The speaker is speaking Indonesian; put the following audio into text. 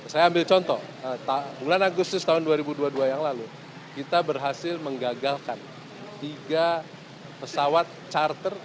saya ambil contoh bulan agustus tahun dua ribu dua puluh dua yang lalu kita berhasil menggagalkan tiga pesawat charter